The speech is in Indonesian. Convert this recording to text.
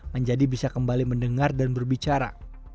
menjadi bisa kembali mendengar dan berbicara